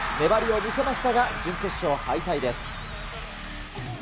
粘りを見せましたが、準決勝敗退です。